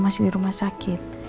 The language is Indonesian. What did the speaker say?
masih di rumah sakit